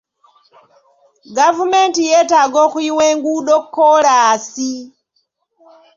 Gavumenti yeetaaga okuyiwa enguudo kkoolaasi.